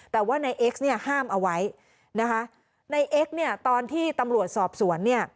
แต่ว่านายเอ็กซห้ามเอาไว้นายเอ็กซตอนที่ตำรวจสอบสวน